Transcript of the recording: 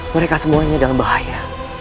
mereka semuanya dalam bahaya